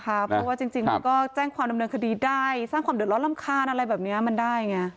เพราะว่าจริงมันก็แจ้งความดำเนินคดีได้สร้างความเดือดร้อนรำคาญอะไรแบบนี้มันได้ไง